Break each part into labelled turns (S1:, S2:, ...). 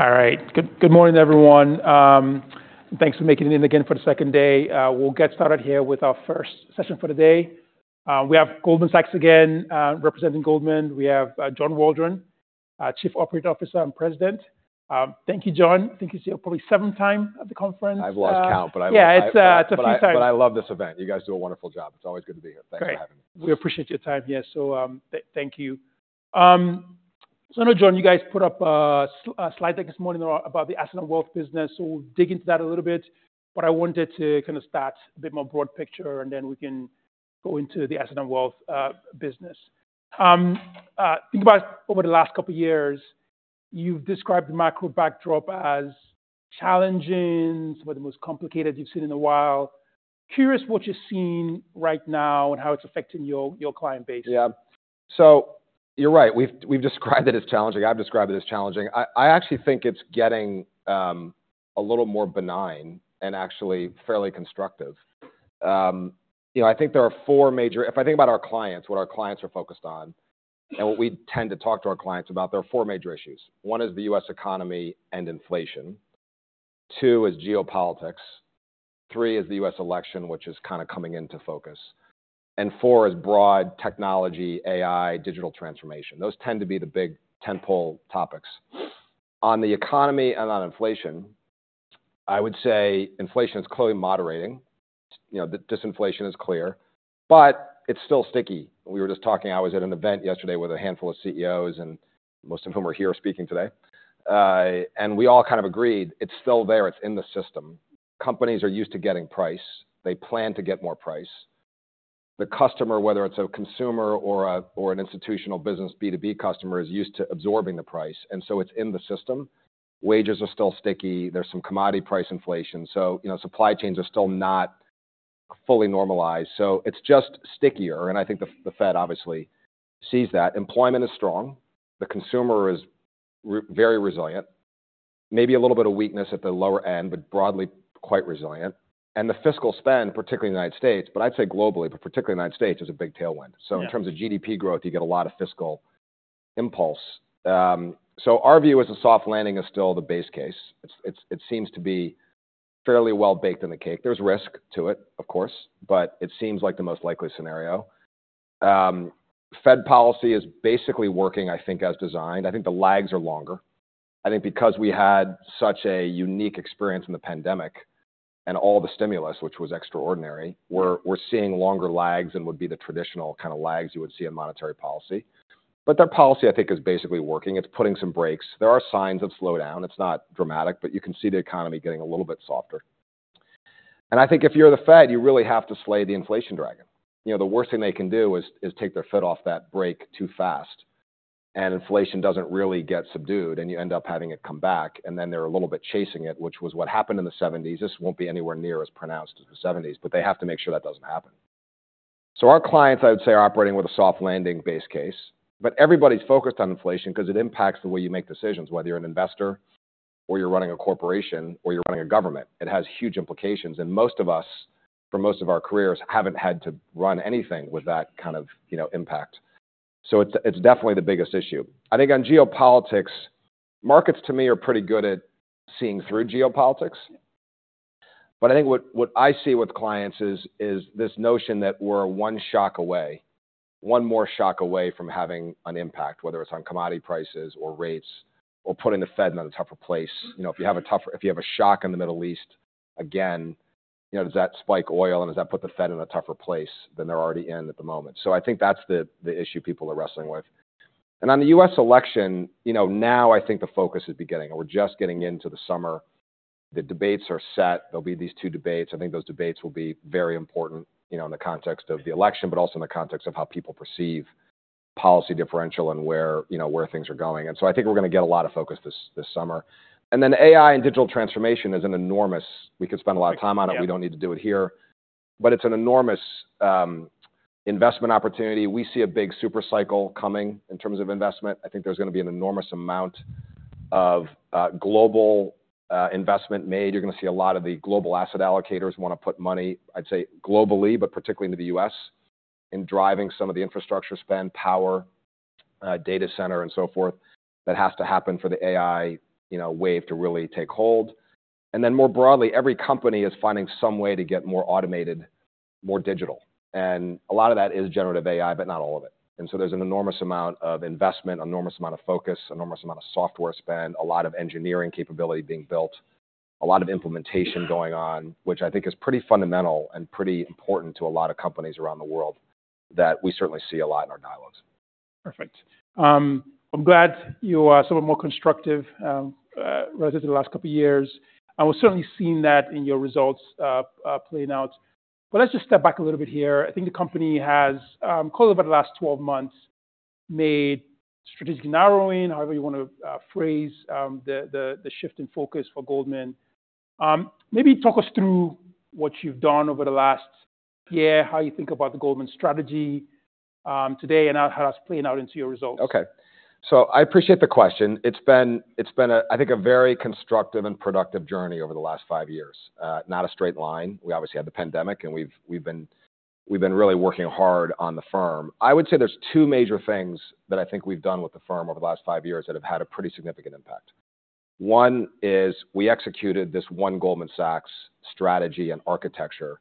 S1: All right. Good morning, everyone. Thanks for making it in again for the second day. We'll get started here with our first session for the day. We have Goldman Sachs again. Representing Goldman, we have John Waldron, Chief Operating Officer and President. Thank you, John. I think it's your probably seventh time at the conference.
S2: I've lost count, but I-
S1: Yeah, it's a few times.
S2: But I love this event. You guys do a wonderful job. It's always good to be here. Thanks for having me.
S1: Great. We appreciate your time here, so, thank you. So I know, John, you guys put up a slide deck this morning about the asset and wealth business, so we'll dig into that a little bit. But I wanted to kinda start a bit more broad picture, and then we can go into the asset and wealth business. Think about over the last couple of years, you've described the macro backdrop as challenging, one of the most complicated you've seen in a while. Curious what you're seeing right now and how it's affecting your client base.
S2: Yeah. So you're right, we've, we've described it as challenging. I've described it as challenging. I actually think it's getting a little more benign and actually fairly constructive. You know, I think there are four major... If I think about our clients, what our clients are focused on, and what we tend to talk to our clients about, there are four major issues. One is the U.S. economy and inflation. Two is geopolitics. Three is the U.S. election, which is kinda coming into focus. And four is broad technology, AI, digital transformation. Those tend to be the big tentpole topics. On the economy and on inflation, I would say inflation is clearly moderating. You know, the disinflation is clear, but it's still sticky. We were just talking. I was at an event yesterday with a handful of CEOs, and most of whom are here speaking today. And we all kind of agreed it's still there, it's in the system. Companies are used to getting price. They plan to get more price. The customer, whether it's a consumer or a, or an institutional business, B2B customer, is used to absorbing the price, and so it's in the system. Wages are still sticky. There's some commodity price inflation. So, you know, supply chains are still not fully normalized, so it's just stickier, and I think the, the Fed obviously sees that. Employment is strong. The consumer is very resilient. Maybe a little bit of weakness at the lower end, but broadly, quite resilient. And the fiscal spend, particularly in the United States, but I'd say globally, but particularly in the United States, is a big tailwind.
S1: Yeah.
S2: So in terms of GDP growth, you get a lot of fiscal impulse. So our view as a soft landing is still the base case. It seems to be fairly well baked in the cake. There's risk to it, of course, but it seems like the most likely scenario. Fed policy is basically working, I think, as designed. I think the lags are longer. I think because we had such a unique experience in the pandemic and all the stimulus, which was extraordinary, we're seeing longer lags than would be the traditional kinda lags you would see in monetary policy. But their policy, I think, is basically working. It's putting some brakes. There are signs of slowdown. It's not dramatic, but you can see the economy getting a little bit softer. I think if you're the Fed, you really have to slay the inflation dragon. You know, the worst thing they can do is take their foot off that brake too fast, and inflation doesn't really get subdued, and you end up having it come back, and then they're a little bit chasing it, which was what happened in the '70s. This won't be anywhere near as pronounced as the '70s, but they have to make sure that doesn't happen. So our clients, I would say, are operating with a soft landing base case, but everybody's focused on inflation because it impacts the way you make decisions, whether you're an investor or you're running a corporation or you're running a government. It has huge implications, and most of us, for most of our careers, haven't had to run anything with that kind of, you know, impact. So it's definitely the biggest issue. I think on geopolitics, markets, to me, are pretty good at seeing through geopolitics. But I think what I see with clients is this notion that we're one shock away, one more shock away from having an impact, whether it's on commodity prices or rates or putting the Fed in a tougher place. You know, if you have a tougher, if you have a shock in the Middle East, again, you know, does that spike oil, and does that put the Fed in a tougher place than they're already in at the moment? So I think that's the issue people are wrestling with. On the U.S. election, you know, now I think the focus is beginning. We're just getting into the summer. The debates are set. There'll be these two debates. I think those debates will be very important, you know, in the context of the election, but also in the context of how people perceive policy differential and where, you know, where things are going. And so I think we're going to get a lot of focus this summer. And then AI and digital transformation is an enormous... We could spend a lot of time on it.
S1: Yeah. We don't need to do it here, but it's an enormous investment opportunity. We see a big super cycle coming in terms of investment. I think there's going to be an enormous amount of global investment made. You're going to see a lot of the global asset allocators want to put money, I'd say globally, but particularly into the U.S., in driving some of the infrastructure spend, power, data center, and so forth. That has to happen for the AI, you know, wave to really take hold. And then more broadly, every company is finding some way to get more automated, more digital, and a lot of that is generative AI, but not all of it. There's an enormous amount of investment, enormous amount of focus, enormous amount of software spend, a lot of engineering capability being built, a lot of implementation going on, which I think is pretty fundamental and pretty important to a lot of companies around the world that we certainly see a lot in our dialogues. Perfect. I'm glad you are sort of more constructive, relative to the last couple of years, and we're certainly seeing that in your results, playing out. But let's just step back a little bit here. I think the company has, over the last 12 months, made strategic narrowing, however you want to phrase the shift in focus for Goldman. Maybe talk us through what you've done over the last year, how you think about the Goldman strategy, today, and how it has played out into your results.
S2: Okay. So I appreciate the question. It's been, it's been a, I think, a very constructive and productive journey over the last five years. Not a straight line. We obviously had the pandemic, and we've been really working hard on the firm. I would say there's two major things that I think we've done with the firm over the last five years that have had a pretty significant impact. One is we executed this One Goldman Sachs strategy and architecture,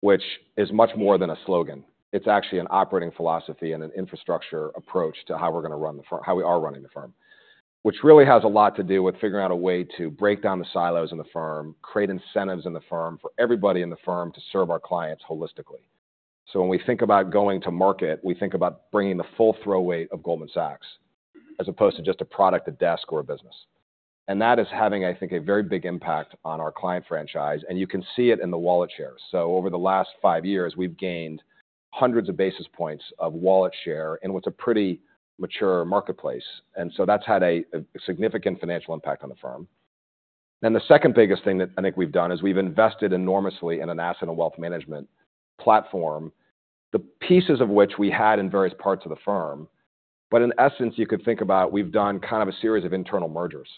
S2: which is much more than a slogan. It's actually an operating philosophy and an infrastructure approach to how we're gonna run the firm-- how we are running the firm, which really has a lot to do with figuring out a way to break down the silos in the firm, create incentives in the firm for everybody in the firm to serve our clients holistically. So when we think about going to market, we think about bringing the full throw weight of Goldman Sachs, as opposed to just a product, a desk, or a business. And that is having, I think, a very big impact on our client franchise, and you can see it in the wallet share. So over the last five years, we've gained hundreds of basis points of wallet share, and with a pretty mature marketplace. And so that's had a significant financial impact on the firm. Then the second biggest thing that I think we've done is we've invested enormously in an Asset & Wealth Management platform, the pieces of which we had in various parts of the firm. But in essence, you could think about, we've done kind of a series of internal mergers.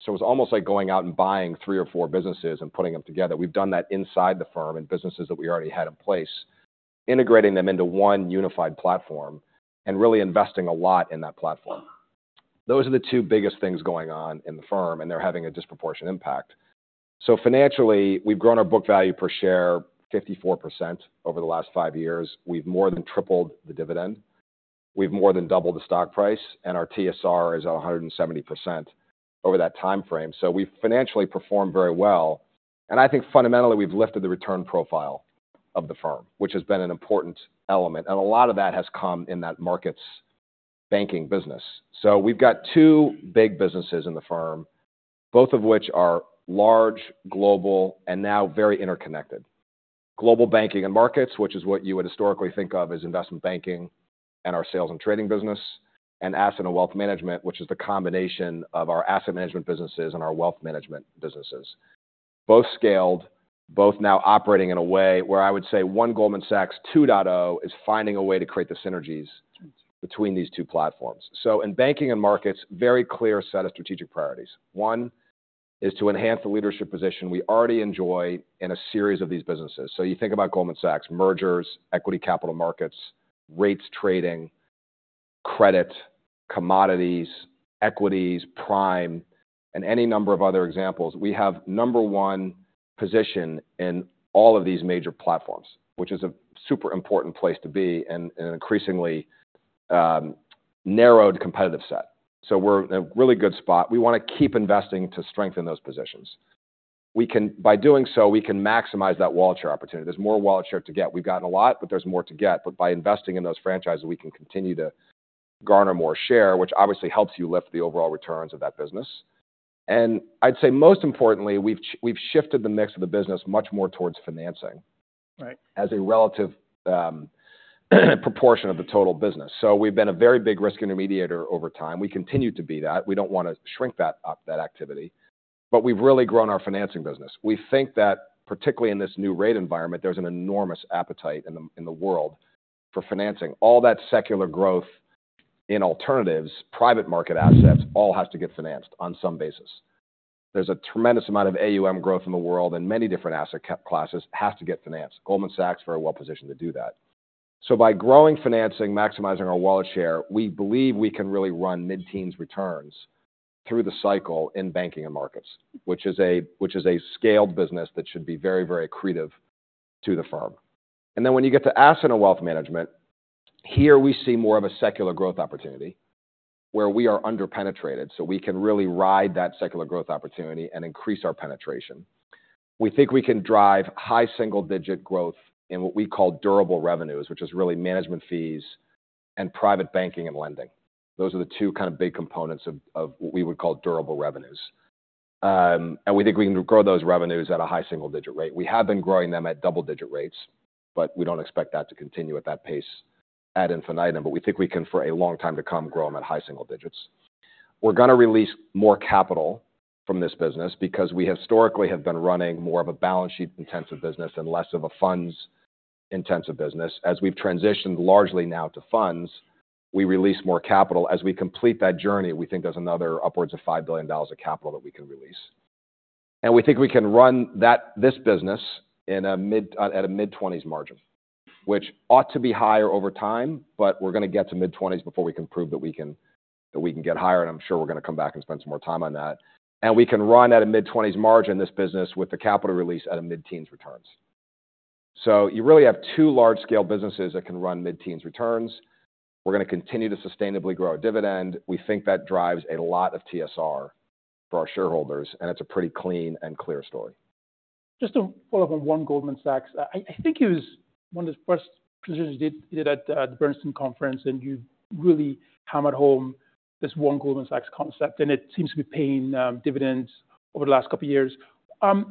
S2: So it's almost like going out and buying three or four businesses and putting them together. We've done that inside the firm and businesses that we already had in place, integrating them into one unified platform and really investing a lot in that platform. Those are the two biggest things going on in the firm, and they're having a disproportionate impact. So financially, we've grown our book value per share 54% over the last five years. We've more than tripled the dividend. We've more than doubled the stock price, and our TSR is 170% over that timeframe. So we've financially performed very well, and I think fundamentally, we've lifted the return profile of the firm, which has been an important element, and a lot of that has come in that markets banking business. So we've got two big businesses in the firm, both of which are large, global, and now very interconnected. Global Banking & Markets, which is what you would historically think of as investment banking and our sales and trading business, and Asset & Wealth Management, which is the combination of our asset management businesses and our wealth management businesses. Both scaled, both now operating in a way where I would say One Goldman Sachs 2.0 is finding a way to create the synergies between these two platforms. So in Banking & Markets, very clear set of strategic priorities. One, is to enhance the leadership position we already enjoy in a series of these businesses. So you think about Goldman Sachs, mergers, equity capital markets, rates trading, credit, commodities, equities, prime, and any number of other examples. We have number one position in all of these major platforms, which is a super important place to be in, in an increasingly narrowed competitive set. So we're in a really good spot. We wanna keep investing to strengthen those positions. We can. By doing so, we can maximize that wallet share opportunity. There's more wallet share to get. We've gotten a lot, but there's more to get. But by investing in those franchises, we can continue to garner more share, which obviously helps you lift the overall returns of that business. And I'd say most importantly, we've shifted the mix of the business much more towards financing.
S1: Right.
S2: as a relative proportion of the total business. So we've been a very big risk intermediator over time. We continue to be that. We don't wanna shrink that up, that activity, but we've really grown our financing business. We think that particularly in this new rate environment, there's an enormous appetite in the world for financing. All that secular growth in alternatives, private market assets, all has to get financed on some basis. There's a tremendous amount of AUM growth in the world, and many different asset classes have to get financed. Goldman Sachs is very well positioned to do that. So by growing financing, maximizing our wallet share, we believe we can really run mid-teens returns through the cycle in Banking & Markets, which is a scaled business that should be very, very accretive to the firm. And then when you get to Asset & Wealth Management, here we see more of a secular growth opportunity where we are under-penetrated, so we can really ride that secular growth opportunity and increase our penetration. We think we can drive high single-digit growth in what we call durable revenues, which is really management fees and private banking and lending. Those are the two kind of big components of, of what we would call durable revenues. And we think we can grow those revenues at a high single-digit rate. We have been growing them at double-digit rates, but we don't expect that to continue at that pace ad infinitum, but we think we can, for a long time to come, grow them at high single digits. We're gonna release more capital from this business because we historically have been running more of a balance sheet-intensive business and less of a funds-intensive business. As we've transitioned largely now to funds, we release more capital. As we complete that journey, we think there's another upwards of $5 billion of capital that we can release. And we think we can run that—this business in a mid-20s margin, which ought to be higher over time, but we're gonna get to mid-20s before we can prove that we can, that we can get higher, and I'm sure we're gonna come back and spend some more time on that. And we can run at a mid-20s margin, this business, with the capital release at a mid-teens returns. So you really have two large-scale businesses that can run mid-teens returns. We're gonna continue to sustainably grow our dividend. We think that drives a lot of TSR for our shareholders, and it's a pretty clean and clear story.
S1: Just to follow up on One Goldman Sachs, I, I think it was one of the first presentations you did, you did at the Bernstein conference, and you really hammered home this One Goldman Sachs concept, and it seems to be paying dividends over the last couple of years.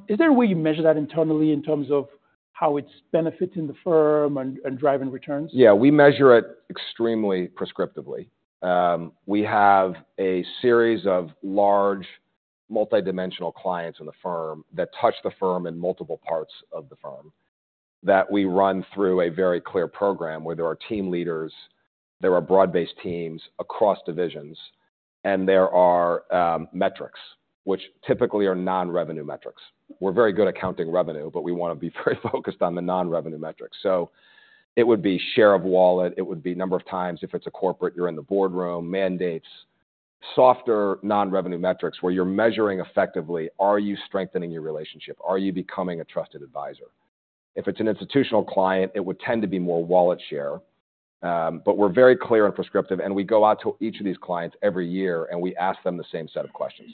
S1: Is there a way you measure that internally in terms of how it's benefiting the firm and, and driving returns?
S2: Yeah, we measure it extremely prescriptively. We have a series of large, multidimensional clients in the firm that touch the firm in multiple parts of the firm, that we run through a very clear program, where there are team leaders, there are broad-based teams across divisions and there are metrics, which typically are non-revenue metrics. We're very good at counting revenue, but we wanna be very focused on the non-revenue metrics. So it would be share of wallet, it would be number of times, if it's a corporate, you're in the boardroom, mandates, softer non-revenue metrics, where you're measuring effectively: Are you strengthening your relationship? Are you becoming a trusted advisor? If it's an institutional client, it would tend to be more wallet share. But we're very clear and prescriptive, and we go out to each of these clients every year, and we ask them the same set of questions.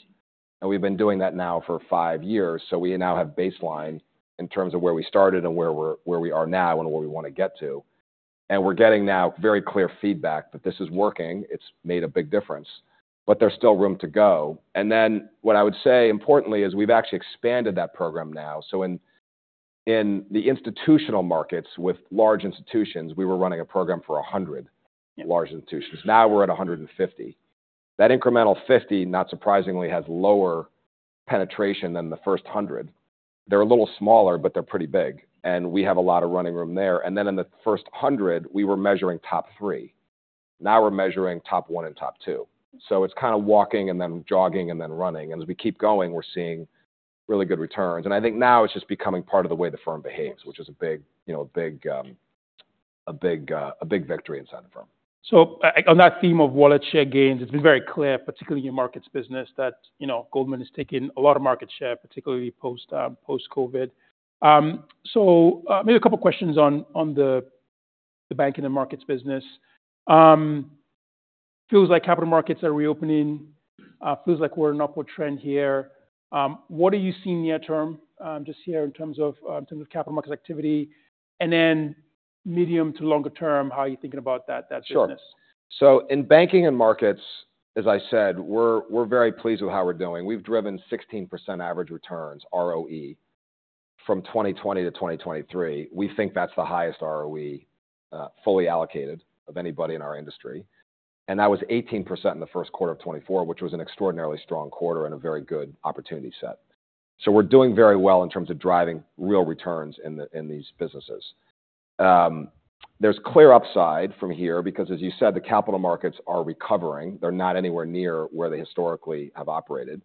S2: And we've been doing that now for five years, so we now have baseline in terms of where we started and where we are now, and where we wanna get to. And we're getting now very clear feedback that this is working. It's made a big difference, but there's still room to go. And then what I would say, importantly, is we've actually expanded that program now. So in the institutional markets with large institutions, we were running a program for 100 large institutions. Now we're at 150. That incremental 50, not surprisingly, has lower penetration than the first 100. They're a little smaller, but they're pretty big, and we have a lot of running room there. Then in the first 100, we were measuring top three. Now we're measuring top one and top two. So it's kinda walking and then jogging and then running, and as we keep going, we're seeing really good returns. And I think now it's just becoming part of the way the firm behaves, which is a big, you know, a big, a big victory inside the firm.
S1: So, on that theme of wallet share gains, it's been very clear, particularly in markets business, that, you know, Goldman is taking a lot of market share, particularly post-COVID. So, maybe a couple of questions on the Banking & Markets business. Feels like capital markets are reopening, feels like we're in an upward trend here. What are you seeing near term, just here in terms of capital market activity, and then medium to longer term, how are you thinking about that business?
S2: Sure. So in Banking & Markets, as I said, we're, we're very pleased with how we're doing. We've driven 16% average returns, ROE, from 2020 to 2023. We think that's the highest ROE, fully allocated of anybody in our industry. And that was 18% in the first quarter of 2024, which was an extraordinarily strong quarter and a very good opportunity set. So we're doing very well in terms of driving real returns in these businesses. There's clear upside from here because, as you said, the capital markets are recovering. They're not anywhere near where they historically have operated.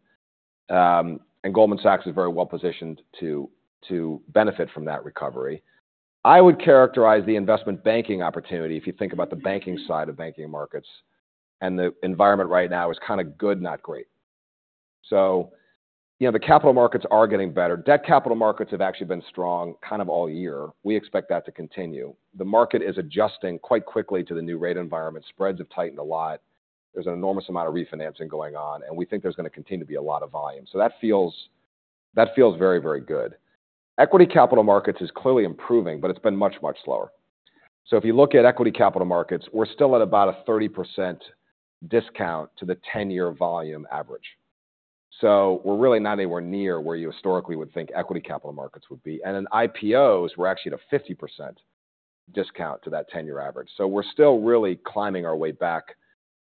S2: And Goldman Sachs is very well positioned to benefit from that recovery. I would characterize the investment banking opportunity, if you think about the banking side of Banking & Markets, and the environment right now is kinda good, not great. So you know, the capital markets are getting better. Debt Capital Markets have actually been strong kind of all year. We expect that to continue. The market is adjusting quite quickly to the new rate environment. Spreads have tightened a lot. There's an enormous amount of refinancing going on, and we think there's gonna continue to be a lot of volume. So that feels, that feels very, very good. Equity Capital Markets is clearly improving, but it's been much, much slower. So if you look at Equity Capital Markets, we're still at about a 30% discount to the 10-year volume average. So we're really not anywhere near where you historically would think Equity Capital Markets would be. And in IPOs, we're actually at a 50% discount to that 10-year average. So we're still really climbing our way back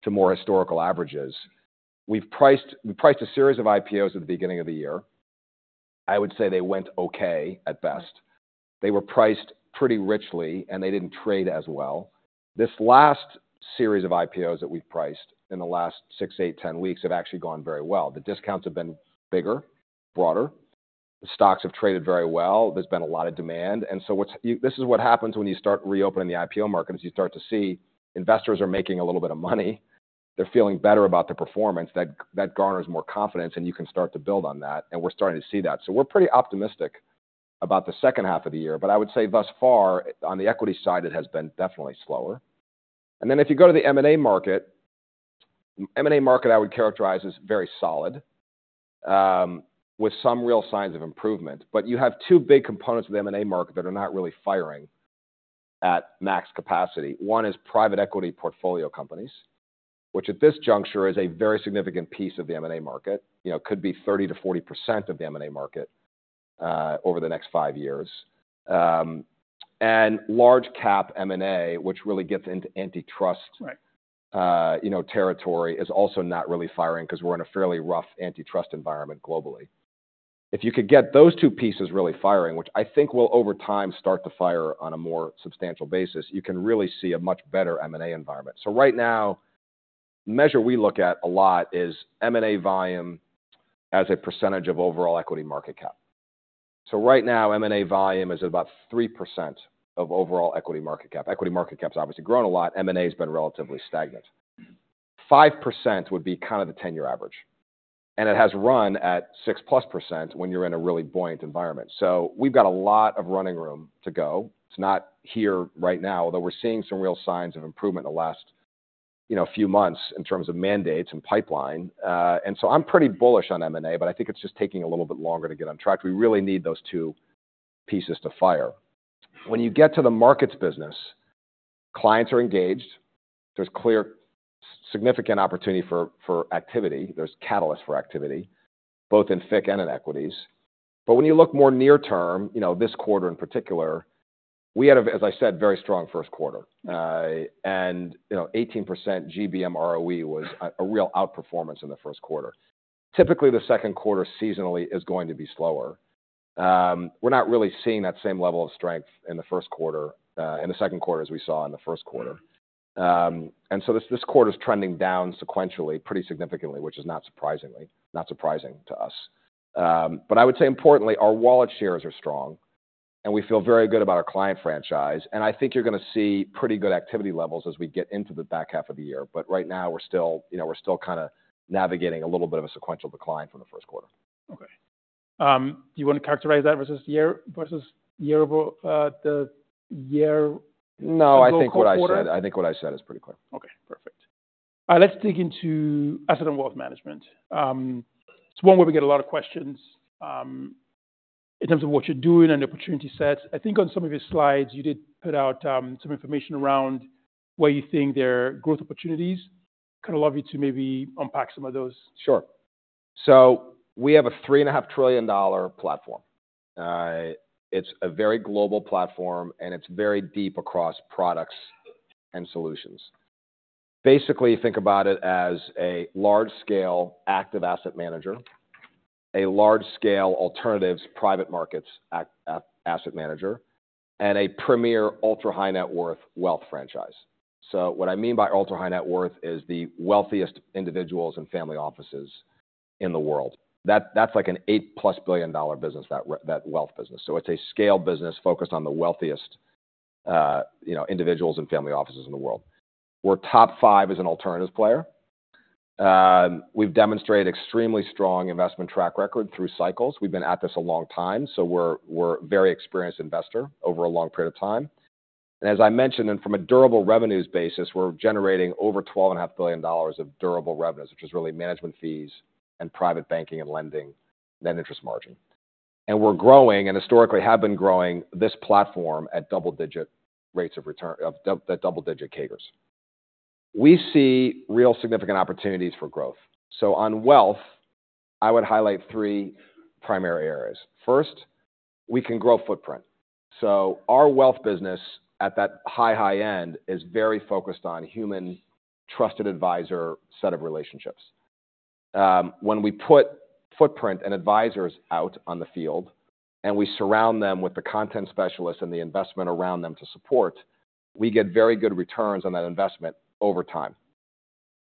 S2: to more historical averages. We've priced a series of IPOs at the beginning of the year. I would say they went okay, at best. They were priced pretty richly, and they didn't trade as well. This last series of IPOs that we've priced in the last six, eight, 10 weeks have actually gone very well. The discounts have been bigger, broader. The stocks have traded very well. There's been a lot of demand. And so this is what happens when you start reopening the IPO markets. You start to see investors are making a little bit of money. They're feeling better about the performance. That garners more confidence, and you can start to build on that, and we're starting to see that. So we're pretty optimistic about the second half of the year, but I would say thus far, on the equity side, it has been definitely slower. And then if you go to the M&A market, M&A market, I would characterize as very solid, with some real signs of improvement. But you have two big components of the M&A market that are not really firing at max capacity. One is private equity portfolio companies, which at this juncture, is a very significant piece of the M&A market. You know, it could be 30%-40% of the M&A market, over the next five years. And large cap M&A, which really gets into antitrust-
S1: Right...
S2: you know, territory, is also not really firing because we're in a fairly rough antitrust environment globally. If you could get those two pieces really firing, which I think will, over time, start to fire on a more substantial basis, you can really see a much better M&A environment. So right now, the measure we look at a lot is M&A volume as a percentage of overall equity market cap. So right now, M&A volume is about 3% of overall equity market cap. Equity market cap's obviously grown a lot. M&A's been relatively stagnant. 5% would be kind of the 10-year average, and it has run at 6%+ when you're in a really buoyant environment. So we've got a lot of running room to go. It's not here right now, although we're seeing some real signs of improvement in the last, you know, few months in terms of mandates and pipeline. And so I'm pretty bullish on M&A, but I think it's just taking a little bit longer to get on track. We really need those two pieces to fire. When you get to the markets business, clients are engaged. There's clear, significant opportunity for activity. There's catalyst for activity, both in FICC and in equities. But when you look more near term, you know, this quarter in particular, we had, as I said, very strong first quarter. And, you know, 18% GBM ROE was a real outperformance in the first quarter. Typically, the second quarter seasonally is going to be slower.... We're not really seeing that same level of strength in the first quarter, in the second quarter as we saw in the first quarter. And so this quarter is trending down sequentially pretty significantly, which is not surprising to us. But I would say importantly, our wallet shares are strong, and we feel very good about our client franchise, and I think you're gonna see pretty good activity levels as we get into the back half of the year. But right now, we're still, you know, we're still kinda navigating a little bit of a sequential decline from the first quarter.
S1: Okay. Do you wanna characterize that versus year, versus year over, the year-
S2: No, I think what I said-
S1: - quarter?
S2: I think what I said is pretty clear.
S1: Okay, perfect. Let's dig into Asset & Wealth Management. It's one where we get a lot of questions, in terms of what you're doing and the opportunity sets. I think on some of your slides, you did put out, some information around where you think there are growth opportunities. I'd love you to maybe unpack some of those.
S2: Sure. So we have a $3.5 trillion platform. It's a very global platform, and it's very deep across products and solutions. Basically, think about it as a large-scale active asset manager, a large-scale alternatives private markets asset manager, and a premier ultra-high net worth wealth franchise. So what I mean by ultra-high net worth is the wealthiest individuals and family offices in the world. That, that's like an $8+ billion business, that wealth business. So it's a scale business focused on the wealthiest, you know, individuals and family offices in the world. We're top five as an alternatives player. We've demonstrated extremely strong investment track record through cycles. We've been at this a long time, so we're very experienced investor over a long period of time. And as I mentioned, and from a durable revenues basis, we're generating over $12.5 billion of durable revenues, which is really management fees and private banking and lending, then interest margin. And we're growing, and historically have been growing this platform at double-digit rates of return, at double-digit CAGRs. We see real significant opportunities for growth. So on wealth, I would highlight three primary areas. First, we can grow footprint. So our wealth business at that high, high end, is very focused on human trusted advisor set of relationships. When we put footprint and advisors out on the field, and we surround them with the content specialists and the investment around them to support, we get very good returns on that investment over time.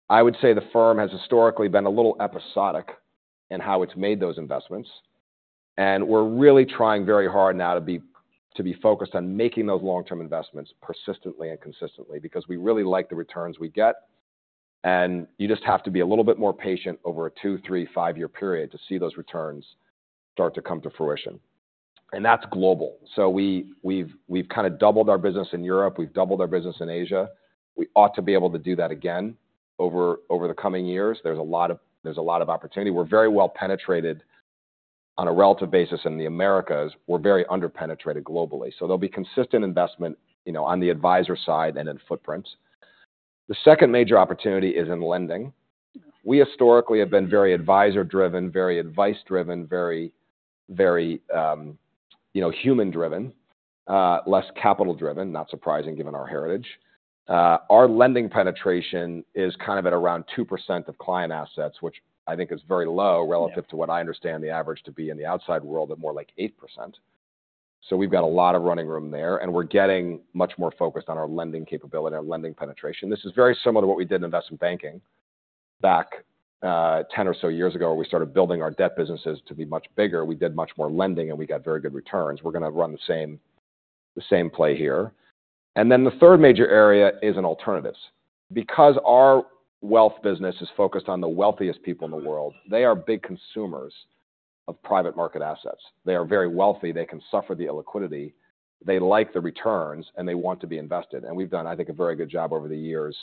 S2: I would say the firm has historically been a little episodic in how it's made those investments, and we're really trying very hard now to be focused on making those long-term investments persistently and consistently, because we really like the returns we get, and you just have to be a little bit more patient over a two, three, 5-year period to see those returns start to come to fruition, and that's global. So we've kinda doubled our business in Europe, we've doubled our business in Asia. We ought to be able to do that again over the coming years. There's a lot of opportunity. We're very well penetrated on a relative basis in the Americas. We're very under-penetrated globally, so there'll be consistent investment, you know, on the advisor side and in footprints. The second major opportunity is in lending. We historically have been very advisor-driven, very advice-driven, very, very, you know, human-driven, less capital-driven, not surprising, given our heritage. Our lending penetration is kind of at around 2% of client assets, which I think is very low-
S1: Yeah...
S2: relative to what I understand the average to be in the outside world at more like 8%. So we've got a lot of running room there, and we're getting much more focused on our lending capability, our lending penetration. This is very similar to what we did in investment banking back 10 or so years ago, where we started building our debt businesses to be much bigger. We did much more lending, and we got very good returns. We're gonna run the same, the same play here. And then the third major area is in alternatives. Because our wealth business is focused on the wealthiest people in the world, they are big consumers of private market assets. They are very wealthy. They can suffer the illiquidity, they like the returns, and they want to be invested. We've done, I think, a very good job over the years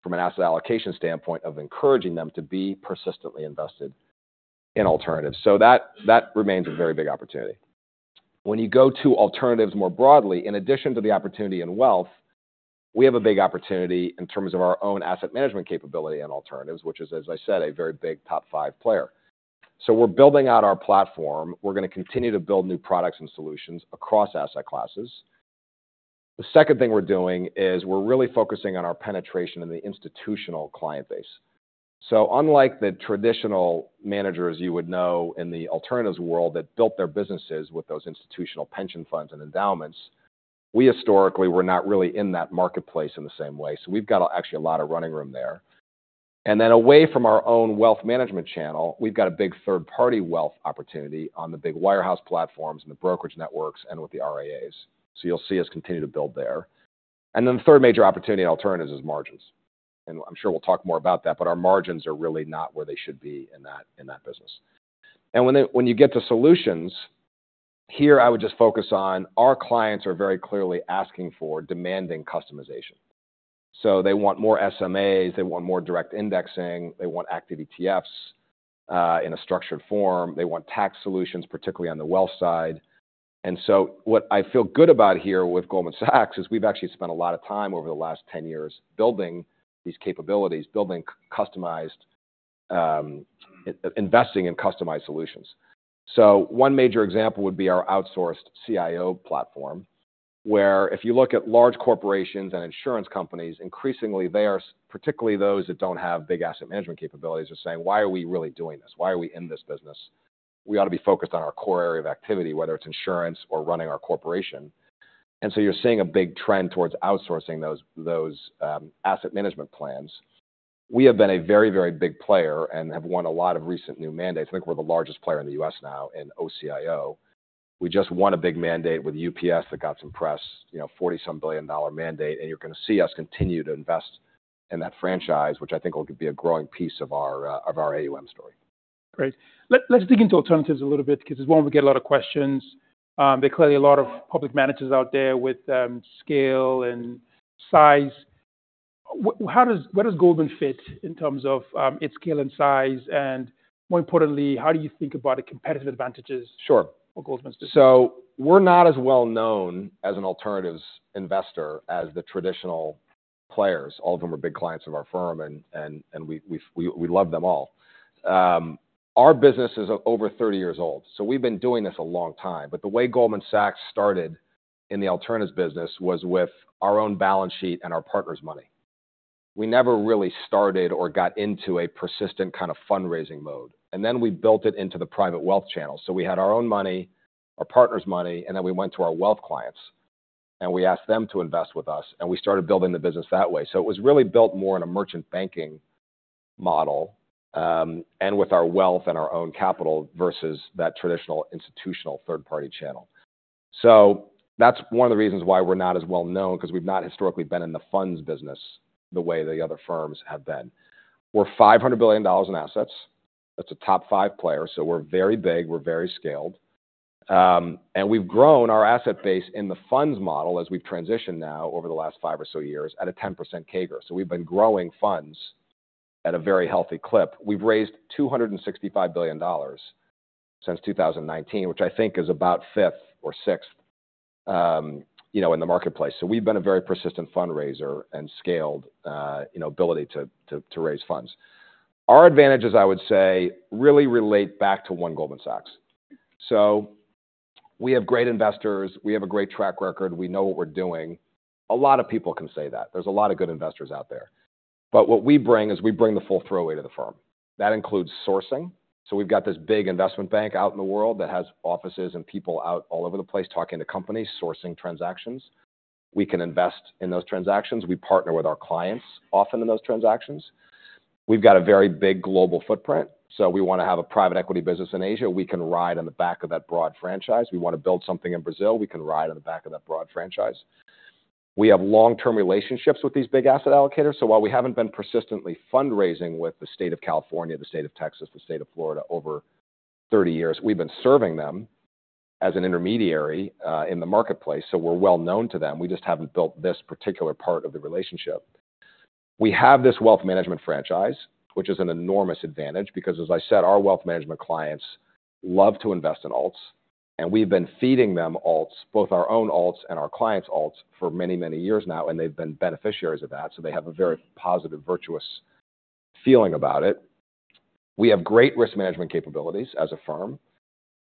S2: from an asset allocation standpoint of encouraging them to be persistently invested in alternatives. So that, that remains a very big opportunity. When you go to alternatives more broadly, in addition to the opportunity and wealth, we have a big opportunity in terms of our own asset management capability and alternatives, which is, as I said, a very big top five player. So we're building out our platform. We're gonna continue to build new products and solutions across asset classes. The second thing we're doing is we're really focusing on our penetration in the institutional client base. So unlike the traditional managers you would know in the alternatives world that built their businesses with those institutional pension funds and endowments, we historically were not really in that marketplace in the same way. So we've got actually a lot of running room there. And then away from our own wealth management channel, we've got a big third-party wealth opportunity on the big wirehouse platforms and the brokerage networks and with the RIAs. So you'll see us continue to build there. And then the third major opportunity in alternatives is margins. And I'm sure we'll talk more about that, but our margins are really not where they should be in that, in that business. And when you get to solutions, here, I would just focus on our clients are very clearly asking for, demanding customization. So they want more SMAs, they want more direct indexing, they want active ETFs, in a structured form. They want tax solutions, particularly on the wealth side. And so what I feel good about here with Goldman Sachs is we've actually spent a lot of time over the last 10 years building these capabilities, building customized, investing in customized solutions. So one major example would be our outsourced CIO platform, where if you look at large corporations and insurance companies, increasingly they are, particularly those that don't have big asset management capabilities, are saying: "Why are we really doing this? Why are we in this business? We ought to be focused on our core area of activity, whether it's insurance or running our corporation." And so you're seeing a big trend towards outsourcing those asset management plans. We have been a very, very big player and have won a lot of recent new mandates. I think we're the largest player in the U.S. now in OCIO. We just won a big mandate with UPS that got some press, you know, $47 billion mandate, and you're gonna see us continue to invest in that franchise, which I think will be a growing piece of our AUM story.
S1: Great. Let's dig into alternatives a little bit, because one, we get a lot of questions. There are clearly a lot of public managers out there with scale and size. Where does Goldman fit in terms of its scale and size? And more importantly, how do you think about the competitive advantages-
S2: Sure.
S1: for Goldman's business?
S2: So we're not as well known as an alternatives investor as the traditional players. All of them are big clients of our firm, and we love them all. Our business is over 30 years old, so we've been doing this a long time. But the way Goldman Sachs started in the alternatives business was with our own balance sheet and our partners' money. We never really started or got into a persistent kind of fundraising mode, and then we built it into the private wealth channel. So we had our own money, our partners' money, and then we went to our wealth clients, and we asked them to invest with us, and we started building the business that way. So it was really built more in a merchant banking model, and with our wealth and our own capital versus that traditional institutional third-party channel. So that's one of the reasons why we're not as well known, because we've not historically been in the funds business the way the other firms have been. We're $500 billion in assets. That's a top five player, so we're very big, we're very scaled. And we've grown our asset base in the funds model as we've transitioned now over the last five or so years at a 10% CAGR. So we've been growing funds at a very healthy clip. We've raised $265 billion since 2019, which I think is about fifth or sixth, you know, in the marketplace. So we've been a very persistent fundraiser and scaled, you know, ability to raise funds. Our advantages, I would say, really relate back to One Goldman Sachs. So we have great investors. We have a great track record. We know what we're doing. A lot of people can say that. There's a lot of good investors out there. But what we bring is we bring the full throw weight to the firm. That includes sourcing. So we've got this big investment bank out in the world that has offices and people out all over the place talking to companies, sourcing transactions. We can invest in those transactions. We partner with our clients often in those transactions. We've got a very big global footprint, so we wanna have a private equity business in Asia. We can ride on the back of that broad franchise. We wanna build something in Brazil, we can ride on the back of that broad franchise. We have long-term relationships with these big asset allocators, so while we haven't been persistently fundraising with the state of California, the state of Texas, the state of Florida over 30 years, we've been serving them as an intermediary in the marketplace, so we're well known to them. We just haven't built this particular part of the relationship. We have this wealth management franchise, which is an enormous advantage, because, as I said, our wealth management clients love to invest in alts, and we've been feeding them alts, both our own alts and our clients' alts, for many, many years now, and they've been beneficiaries of that, so they have a very positive, virtuous feeling about it. We have great risk management capabilities as a firm.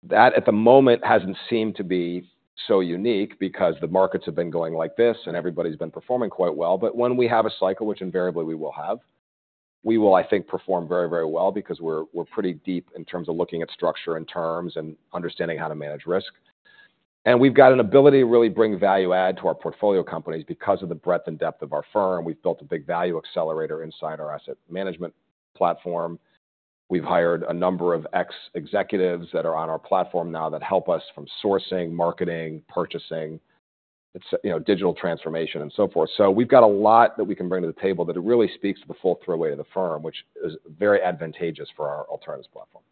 S2: That, at the moment, hasn't seemed to be so unique because the markets have been going like this, and everybody's been performing quite well. But when we have a cycle, which invariably we will have, we will, I think, perform very, very well because we're, we're pretty deep in terms of looking at structure and terms and understanding how to manage risk. And we've got an ability to really bring value add to our portfolio companies. Because of the breadth and depth of our firm, we've built a big Value Accelerator inside our asset management platform. We've hired a number of ex-executives that are on our platform now that help us from sourcing, marketing, purchasing, it's, you know, digital transformation, and so forth. We've got a lot that we can bring to the table that really speaks to the full throw-weight of the firm, which is very advantageous for our alternatives platform.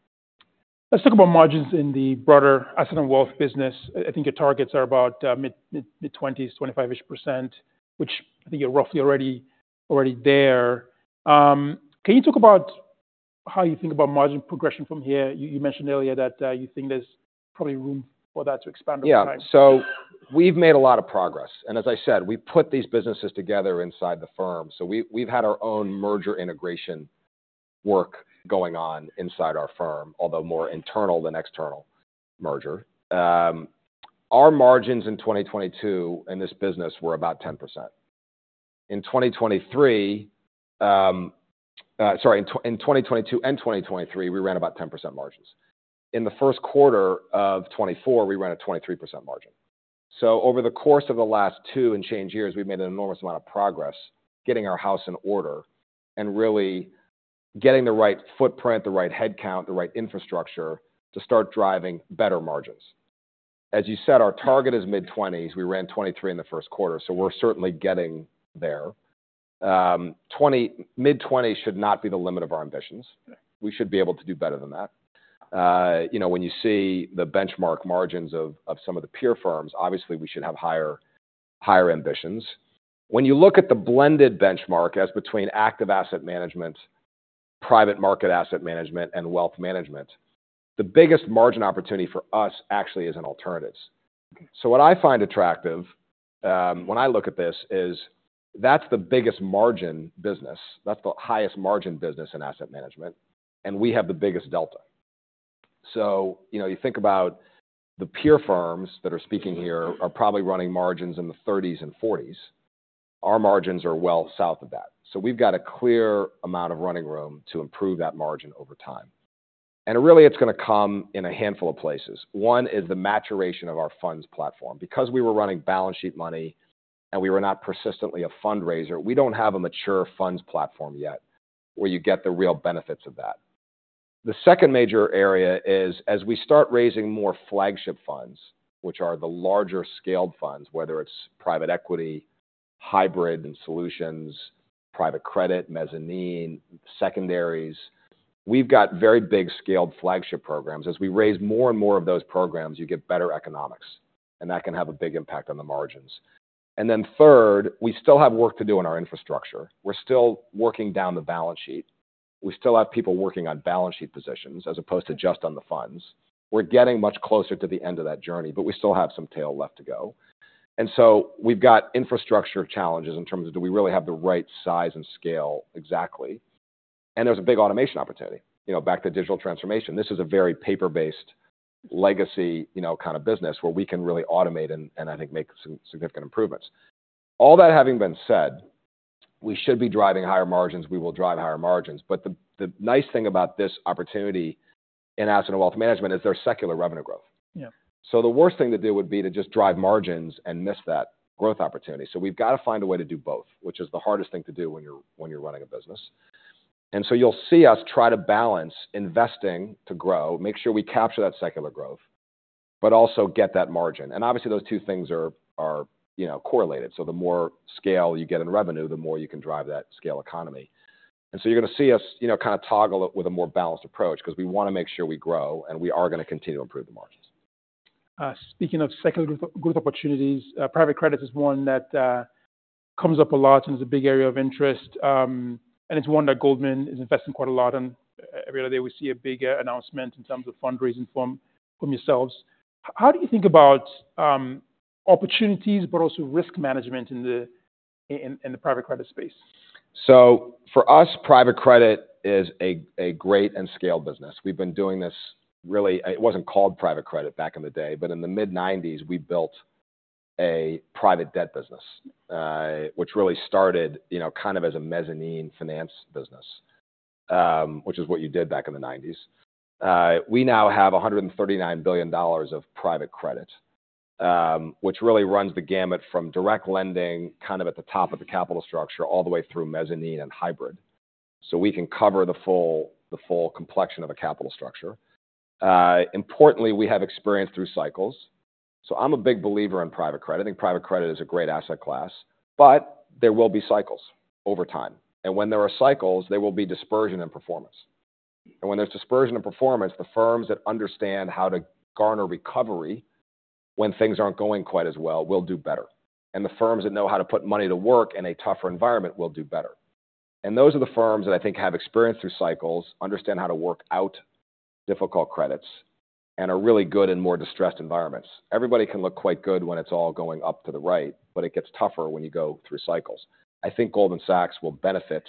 S1: Let's talk about margins in the broader asset and wealth business. I think your targets are about mid-20s, 25-ish%, which I think you're roughly already there. Can you talk about how you think about margin progression from here? You mentioned earlier that you think there's probably room for that to expand over time.
S2: Yeah. So we've made a lot of progress, and as I said, we put these businesses together inside the firm, so we've had our own merger integration work going on inside our firm, although more internal than external merger. Our margins in 2022 in this business were about 10%. In 2023, in 2022 and 2023, we ran about 10% margins. In the first quarter of 2024, we ran a 23% margin. So over the course of the last two and change years, we've made an enormous amount of progress getting our house in order and really getting the right footprint, the right headcount, the right infrastructure to start driving better margins. As you said, our target is mid-twenties. We ran 23 in the first quarter, so we're certainly getting there. Twenty... Mid-20s should not be the limit of our ambitions.
S1: Yeah.
S2: We should be able to do better than that. You know, when you see the benchmark margins of some of the peer firms, obviously we should have higher ambitions. When you look at the blended benchmark as between active asset management, private market asset management, and wealth management, the biggest margin opportunity for us actually is in alternatives. So what I find attractive, when I look at this, is that's the biggest margin business. That's the highest margin business in asset management, and we have the biggest delta. So, you know, you think about the peer firms that are speaking here are probably running margins in the 30s and 40s. Our margins are well south of that. So we've got a clear amount of running room to improve that margin over time. And really, it's gonna come in a handful of places. One is the maturation of our funds platform. Because we were running balance sheet money, and we were not persistently a fundraiser, we don't have a mature funds platform yet, where you get the real benefits of that. The second major area is, as we start raising more flagship funds, which are the larger scaled funds, whether it's private equity, hybrid and solutions, private credit, mezzanine, secondaries, we've got very big scaled flagship programs. As we raise more and more of those programs, you get better economics, and that can have a big impact on the margins. And then third, we still have work to do on our infrastructure. We're still working down the balance sheet. We still have people working on balance sheet positions as opposed to just on the funds. We're getting much closer to the end of that journey, but we still have some tail left to go. So we've got infrastructure challenges in terms of, do we really have the right size and scale exactly? There's a big automation opportunity. You know, back to digital transformation, this is a very paper-based legacy, you know, kind of business where we can really automate and I think make some significant improvements. All that having been said, we should be driving higher margins. We will drive higher margins, but the nice thing about this opportunity in Asset & Wealth Management is there's secular revenue growth.
S1: Yeah.
S2: So the worst thing to do would be to just drive margins and miss that growth opportunity. So we've got to find a way to do both, which is the hardest thing to do when you're running a business. And so you'll see us try to balance investing to grow, make sure we capture that secular growth, but also get that margin. And obviously, those two things are, you know, correlated. So the more scale you get in revenue, the more you can drive that scale economy. And so you're gonna see us, you know, kind of toggle it with a more balanced approach 'cause we wanna make sure we grow, and we are gonna continue to improve the margins.
S1: Speaking of secular growth, growth opportunities, private credit is one that comes up a lot and is a big area of interest, and it's one that Goldman is investing quite a lot in. Every other day, we see a big announcement in terms of fundraising from yourselves. How do you think about opportunities, but also risk management in the private credit space?
S2: So for us, private credit is a great and scaled business. We've been doing this. Really, it wasn't called private credit back in the day, but in the mid-1990s, we built a private debt business, which really started, you know, kind of as a mezzanine finance business, which is what you did back in the 1990s. We now have $139 billion of private credit, which really runs the gamut from direct lending, kind of at the top of the capital structure, all the way through mezzanine and hybrid. So we can cover the full, the full complexion of a capital structure. Importantly, we have experience through cycles, so I'm a big believer in private credit. I think private credit is a great asset class, but there will be cycles over time, and when there are cycles, there will be dispersion in performance. When there's dispersion in performance, the firms that understand how to garner recovery when things aren't going quite as well, will do better. The firms that know how to put money to work in a tougher environment will do better. Those are the firms that I think have experience through cycles, understand how to work out difficult credits, and are really good in more distressed environments. Everybody can look quite good when it's all going up to the right, but it gets tougher when you go through cycles. I think Goldman Sachs will benefit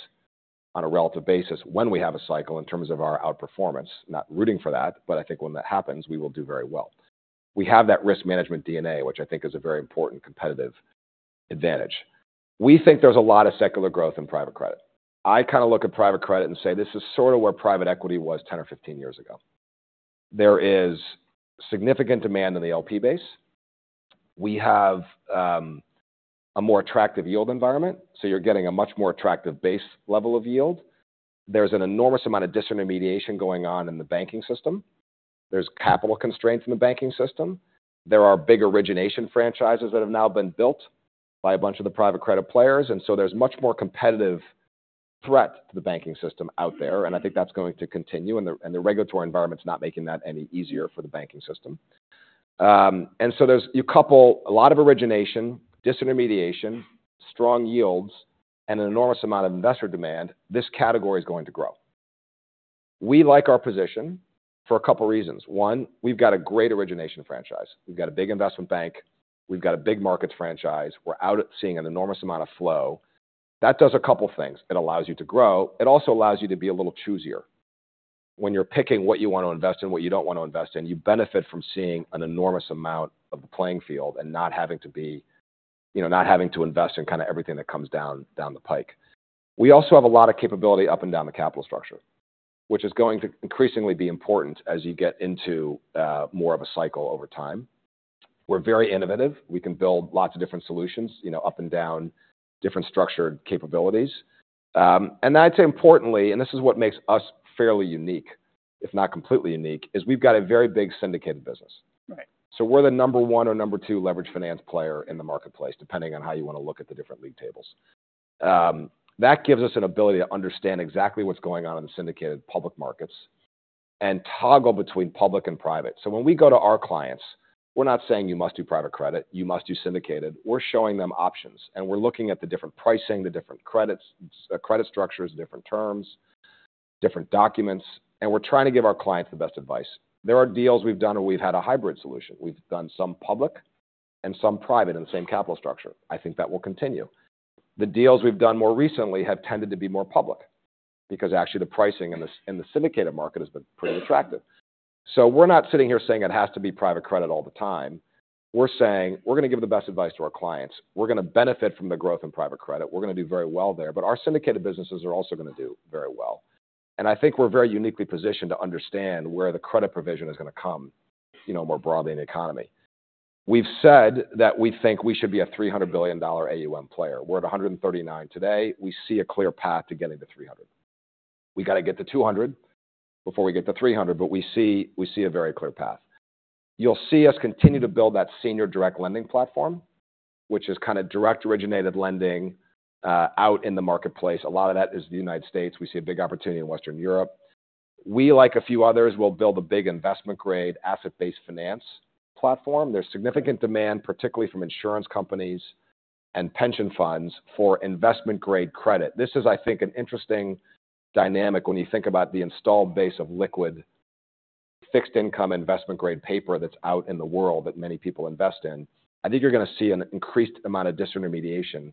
S2: on a relative basis when we have a cycle in terms of our outperformance. Not rooting for that, but I think when that happens, we will do very well. We have that risk management DNA, which I think is a very important competitive advantage. We think there's a lot of secular growth in private credit. I kind of look at private credit and say, "This is sort of where private equity was 10 or 15 years ago." There is significant demand in the LP base. We have a more attractive yield environment, so you're getting a much more attractive base level of yield. There's an enormous amount of disintermediation going on in the banking system. There's capital constraints in the banking system. There are big origination franchises that have now been built by a bunch of the private credit players, and so there's much more competitive threat to the banking system out there, and I think that's going to continue, and the regulatory environment's not making that any easier for the banking system. And so, you couple a lot of origination, disintermediation, strong yields, and an enormous amount of investor demand. This category is going to grow. We like our position for a couple reasons. One, we've got a great origination franchise. We've got a big investment bank. We've got a big markets franchise. We're out at seeing an enormous amount of flow. That does a couple things: It allows you to grow. It also allows you to be a little choosier. When you're picking what you want to invest in, what you don't want to invest in, you benefit from seeing an enormous amount of the playing field and not having to be... You know, not having to invest in kind of everything that comes down, down the pike. We also have a lot of capability up and down the capital structure, which is going to increasingly be important as you get into more of a cycle over time. We're very innovative. We can build lots of different solutions, you know, up and down, different structured capabilities. And I'd say importantly, and this is what makes us fairly unique, if not completely unique, is we've got a very big syndicated business.
S1: Right.
S2: So we're the number one or number two leverage finance player in the marketplace, depending on how you wanna look at the different league tables. That gives us an ability to understand exactly what's going on in the syndicated public markets and toggle between public and private. So when we go to our clients, we're not saying, "You must do private credit. You must do syndicated." We're showing them options, and we're looking at the different pricing, the different credits, credit structures, different terms, different documents, and we're trying to give our clients the best advice. There are deals we've done where we've had a hybrid solution. We've done some public and some private in the same capital structure. I think that will continue. The deals we've done more recently have tended to be more public, because actually the pricing in the, in the syndicated market has been pretty attractive. So we're not sitting here saying it has to be private credit all the time. We're saying: We're gonna give the best advice to our clients. We're gonna benefit from the growth in private credit. We're gonna do very well there, but our syndicated businesses are also gonna do very well. And I think we're very uniquely positioned to understand where the credit provision is gonna come, you know, more broadly in the economy. We've said that we think we should be a $300 billion AUM player. We're at $139 billion today. We see a clear path to getting to 300. We gotta get to 200 before we get to 300, but we see, we see a very clear path. You'll see us continue to build that senior direct lending platform, which is kind of direct originated lending out in the marketplace. A lot of that is the United States. We see a big opportunity in Western Europe. We, like a few others, will build a big investment-grade, asset-based finance platform. There's significant demand, particularly from insurance companies and pension funds, for investment-grade credit. This is, I think, an interesting dynamic when you think about the installed base of liquid fixed income investment-grade paper that's out in the world that many people invest in. I think you're gonna see an increased amount of disintermediation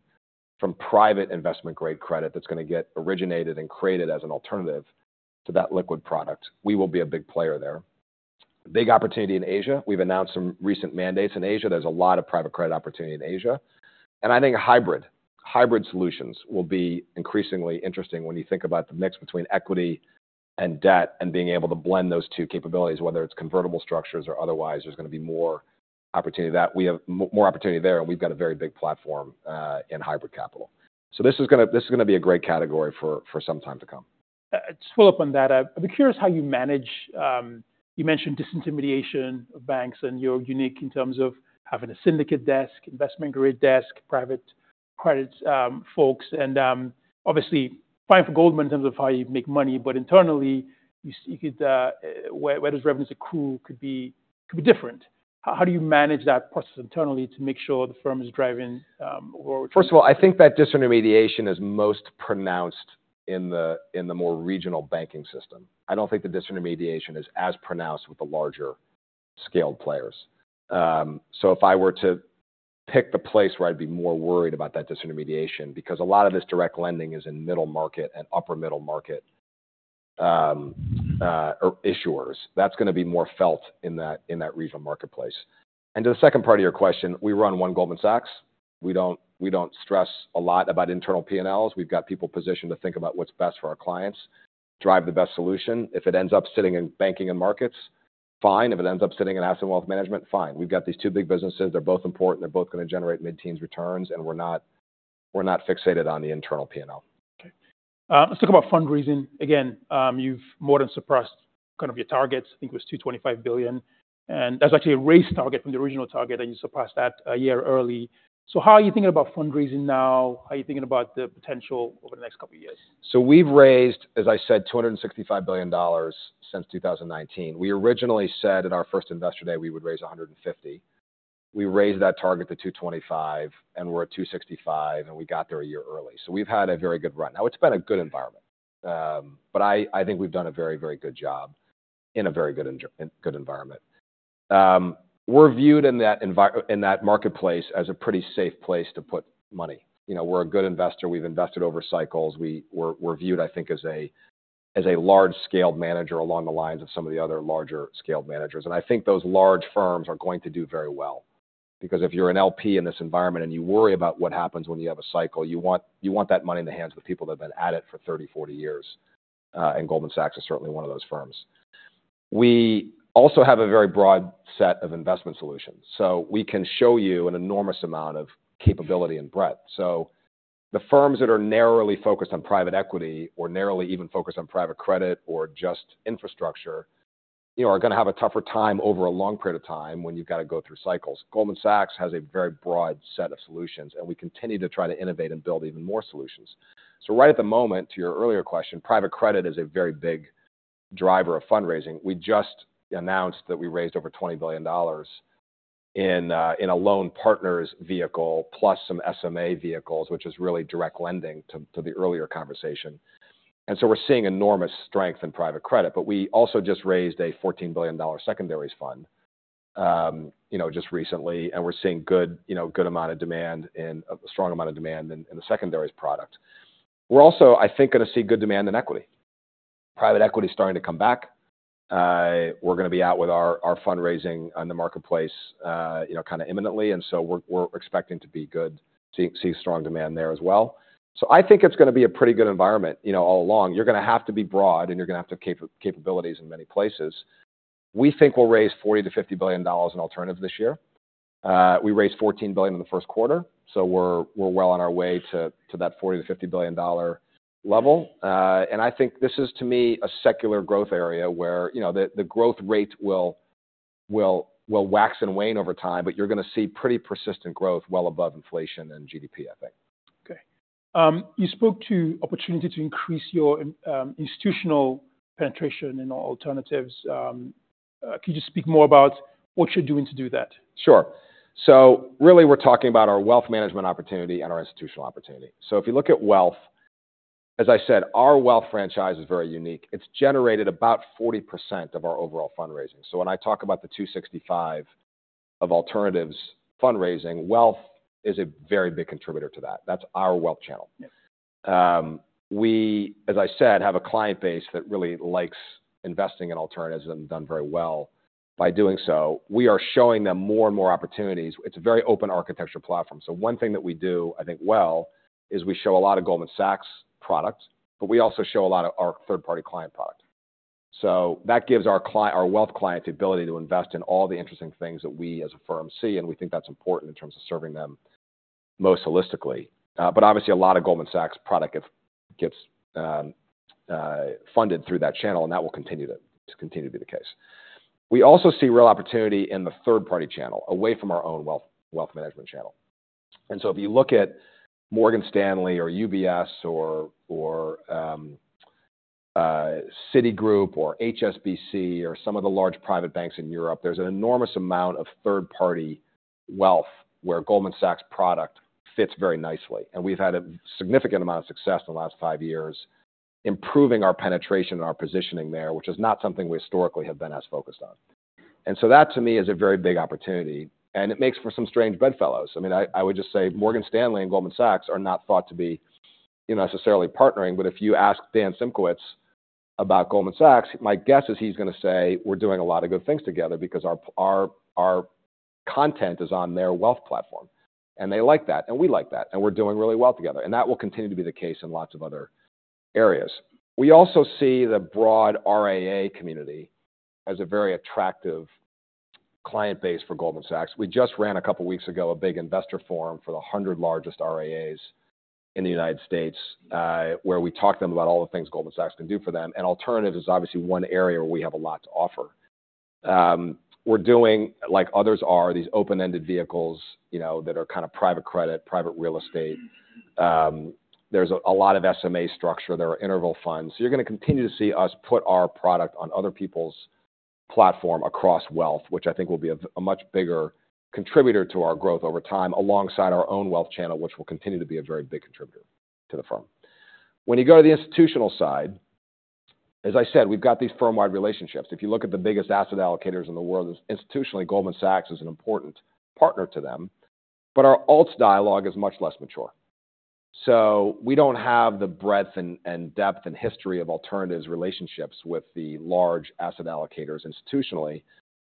S2: from private investment-grade credit that's gonna get originated and created as an alternative to that liquid product. We will be a big player there. Big opportunity in Asia. We've announced some recent mandates in Asia. There's a lot of private credit opportunity in Asia. And I think a hybrid, hybrid solutions will be increasingly interesting when you think about the mix between equity and debt, and being able to blend those two capabilities, whether it's convertible structures or otherwise, there's gonna be more opportunity there, and we've got a very big platform in hybrid capital. So this is gonna be a great category for some time to come.
S1: To follow up on that, I'm curious how you manage... You mentioned disintermediation of banks, and you're unique in terms of having a syndicate desk, investment-grade desk, private credits folks, and, obviously, fighting for Goldman in terms of how you make money, but internally, you could, where, where does revenues accrue could be, could be different. How do you manage that process internally to make sure the firm is driving, or-
S2: First of all, I think that disintermediation is most pronounced in the more regional banking system. I don't think the disintermediation is as pronounced with the larger scaled players. So if I were to pick the place where I'd be more worried about that disintermediation, because a lot of this direct lending is in middle market and upper middle market, or issuers, that's gonna be more felt in that regional marketplace. And to the second part of your question, we run One Goldman Sachs. We don't stress a lot about internal P&Ls. We've got people positioned to think about what's best for our clients, drive the best solution. If it ends up sitting in Banking & Markets, fine. If it ends up sitting in Asset & Wealth Management, fine. We've got these two big businesses. They're both important. They're both gonna generate mid-teens returns, and we're not, we're not fixated on the internal P&L.
S1: Okay. Let's talk about fundraising. Again, you've more than surpassed kind of your targets. I think it was $225 billion, and that's actually a raised target from the original target, and you surpassed that a year early. So how are you thinking about fundraising now? How are you thinking about the potential over the next couple of years?
S2: So we've raised, as I said, $265 billion since 2019. We originally said at our first Investor Day, we would raise 150. We raised that target to 225, and we're at 265, and we got there a year early. So we've had a very good run. Now, it's been a good environment, but I think we've done a very, very good job in a very good environment. We're viewed in that marketplace as a pretty safe place to put money. You know, we're a good investor. We've invested over cycles. We're, we're viewed, I think, as a large-scale manager along the lines of some of the other larger-scale managers. And I think those large firms are going to do very well, because if you're an LP in this environment and you worry about what happens when you have a cycle, you want, you want that money in the hands of the people that have been at it for 30, 40 years, and Goldman Sachs is certainly one of those firms. We also have a very broad set of investment solutions, so we can show you an enormous amount of capability and breadth. So the firms that are narrowly focused on private equity or narrowly even focused on private credit or just infrastructure, you know, are gonna have a tougher time over a long period of time when you've got to go through cycles. Goldman Sachs has a very broad set of solutions, and we continue to try to innovate and build even more solutions. So right at the moment, to your earlier question, private credit is a very big driver of fundraising. We just announced that we raised over $20 billion in, in a Loan Partners vehicle, plus some SMA vehicles, which is really direct lending to, to the earlier conversation. And so we're seeing enormous strength in private credit, but we also just raised a $14 billion secondaries fund, you know, just recently, and we're seeing good, you know, good amount of demand and a strong amount of demand in, in the secondaries product. We're also, I think, gonna see good demand in equity. Private equity is starting to come back. We're gonna be out with our, our fundraising on the marketplace, you know, kind of imminently, and so we're, we're expecting to see strong demand there as well. So I think it's gonna be a pretty good environment. You know, all along, you're gonna have to be broad, and you're gonna have to have capabilities in many places. We think we'll raise $40 billion-$50 billion in alternatives this year. We raised $14 billion in the first quarter, so we're well on our way to that $40 billion-$50 billion level. And I think this is, to me, a secular growth area where, you know, the growth rate will wax and wane over time, but you're gonna see pretty persistent growth well above inflation and GDP, I think.
S1: Okay. You spoke to opportunity to increase your institutional penetration in alternatives. Could you speak more about what you're doing to do that?
S2: Sure. So really, we're talking about our wealth management opportunity and our institutional opportunity. So if you look at wealth. As I said, our wealth franchise is very unique. It's generated about 40% of our overall fundraising. So when I talk about the 265 of alternatives fundraising, wealth is a very big contributor to that. That's our wealth channel. We, as I said, have a client base that really likes investing in alternatives and done very well by doing so. We are showing them more and more opportunities. It's a very open architecture platform. So one thing that we do, I think well, is we show a lot of Goldman Sachs products, but we also show a lot of our third-party client products. So that gives our client, our wealth client, the ability to invest in all the interesting things that we, as a firm, see, and we think that's important in terms of serving them most holistically. But obviously, a lot of Goldman Sachs product gets funded through that channel, and that will continue to continue to be the case. We also see real opportunity in the third-party channel, away from our own wealth management channel. And so if you look at Morgan Stanley or UBS or Citigroup or HSBC or some of the large private banks in Europe, there's an enormous amount of third-party wealth where Goldman Sachs product fits very nicely, and we've had a significant amount of success in the last five years, improving our penetration and our positioning there, which is not something we historically have been as focused on. And so that, to me, is a very big opportunity, and it makes for some strange bedfellows. I mean, I would just say Morgan Stanley and Goldman Sachs are not thought to be, you know, necessarily partnering, but if you ask Dan Simkowitz about Goldman Sachs, my guess is he's gonna say, "We're doing a lot of good things together because our content is on their wealth platform, and they like that, and we like that, and we're doing really well together." And that will continue to be the case in lots of other areas. We also see the broad RIA community as a very attractive client base for Goldman Sachs. We just ran, a couple of weeks ago, a big investor forum for the 100 largest RIAs in the United States, where we talked to them about all the things Goldman Sachs can do for them. And alternative is obviously one area where we have a lot to offer. We're doing, like others are, these open-ended vehicles, you know, that are kind of private credit, private real estate. There's a lot of SMA structure. There are interval funds. So you're gonna continue to see us put our product on other people's platform across wealth, which I think will be a much bigger contributor to our growth over time, alongside our own wealth channel, which will continue to be a very big contributor to the firm. When you go to the institutional side, as I said, we've got these firm-wide relationships. If you look at the biggest asset allocators in the world, institutionally, Goldman Sachs is an important partner to them, but our alts dialogue is much less mature. So we don't have the breadth and depth and history of alternatives relationships with the large asset allocators institutionally,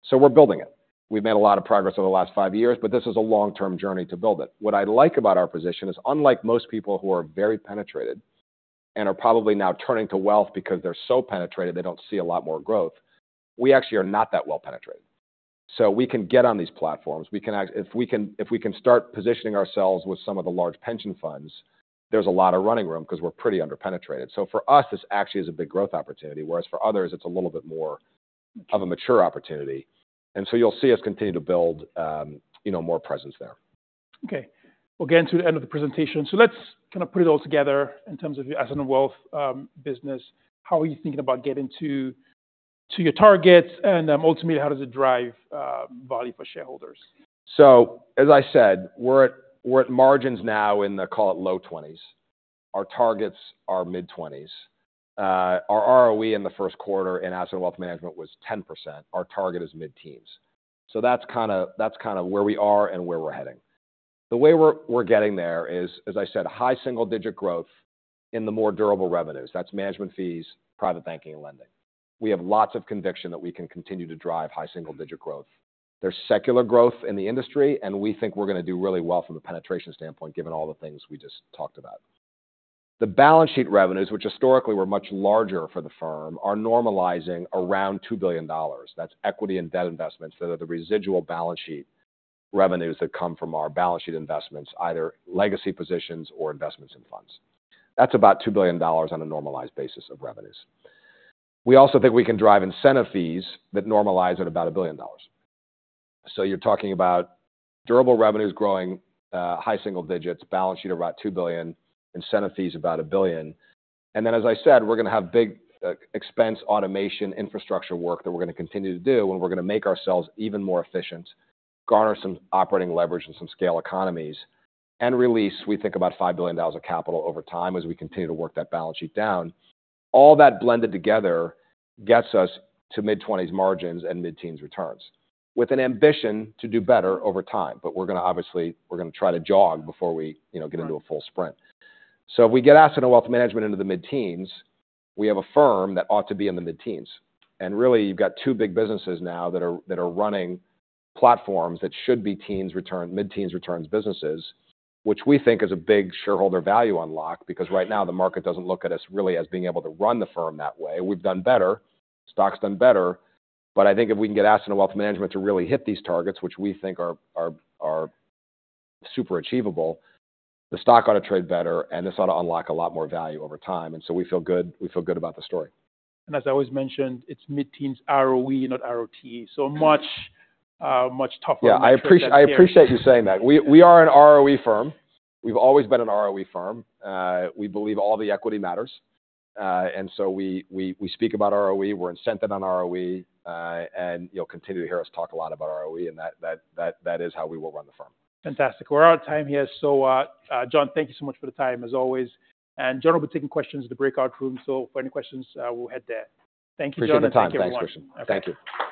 S2: so we're building it. We've made a lot of progress over the last five years, but this is a long-term journey to build it. What I like about our position is, unlike most people who are very penetrated and are probably now turning to wealth because they're so penetrated, they don't see a lot more growth, we actually are not that well penetrated. So we can get on these platforms. We can. If we can start positioning ourselves with some of the large pension funds, there's a lot of running room 'cause we're pretty under-penetrated. So for us, this actually is a big growth opportunity, whereas for others, it's a little bit more of a mature opportunity. And so you'll see us continue to build, you know, more presence there.
S1: Okay, we're getting to the end of the presentation. So let's kind of put it all together in terms of your asset and wealth business. How are you thinking about getting to your targets? And ultimately, how does it drive value for shareholders?
S2: So, as I said, we're at, we're at margins now in the, call it, low 20s. Our targets are mid-20s. Our ROE in the first quarter in Asset & Wealth Management was 10%. Our target is mid-teens. So that's kinda, that's kinda where we are and where we're heading. The way we're, we're getting there is, as I said, high single-digit growth in the more durable revenues. That's management fees, private banking, and lending. We have lots of conviction that we can continue to drive high single-digit growth. There's secular growth in the industry, and we think we're gonna do really well from a penetration standpoint, given all the things we just talked about. The balance sheet revenues, which historically were much larger for the firm, are normalizing around $2 billion. That's equity and debt investments that are the residual balance sheet revenues that come from our balance sheet investments, either legacy positions or investments in funds. That's about $2 billion on a normalized basis of revenues. We also think we can drive incentive fees that normalize at about $1 billion. So you're talking about durable revenues growing, high single digits, balance sheet of about $2 billion, incentive fees about $1 billion. And then, as I said, we're gonna have big, expense, automation, infrastructure work that we're gonna continue to do, and we're gonna make ourselves even more efficient, garner some operating leverage and some scale economies, and release, we think, about $5 billion of capital over time as we continue to work that balance sheet down. All that blended together gets us to mid-20s margins and mid-teens returns, with an ambition to do better over time. But we're gonna obviously... We're gonna try to jog before we, you know, get into a full sprint. So if we get Asset & Wealth Management into the mid-teens, we have a firm that ought to be in the mid-teens. And really, you've got two big businesses now that are, that are running platforms that should be teens return-- mid-teens returns businesses, which we think is a big shareholder value unlock, because right now, the market doesn't look at us really as being able to run the firm that way. We've done better, stock's done better, but I think if we can get Asset & Wealth Management to really hit these targets, which we think are super achievable, the stock ought to trade better, and it's ought to unlock a lot more value over time, and so we feel good, we feel good about the story.
S1: As I always mentioned, it's mid-teens ROE, not ROTE, so much, much tougher-
S2: Yeah, I appreciate, I appreciate you saying that. We are an ROE firm. We've always been an ROE firm. We believe all the equity matters. And so we speak about ROE, we're incented on ROE, and you'll continue to hear us talk a lot about ROE, and that is how we will run the firm.
S1: Fantastic. We're out of time here. So, John, thank you so much for the time, as always, and John will be taking questions in the breakout room. So for any questions, we'll head there. Thank you, John.
S2: Appreciate the time.
S1: Thank you, everyone.
S2: Thanks, Christian. Thank you.